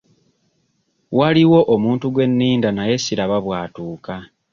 Waliwo omuntu gwe nninda naye siraba bw'atuuka.